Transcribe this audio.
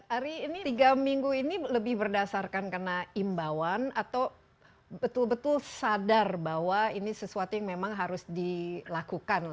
ari ini tiga minggu ini lebih berdasarkan karena imbauan atau betul betul sadar bahwa ini sesuatu yang memang harus dilakukan